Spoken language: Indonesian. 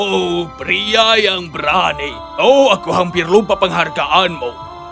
oh pria yang berani oh aku hampir lupa penghargaanmu